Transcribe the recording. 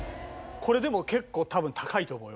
これでも結構多分高いと思うよ。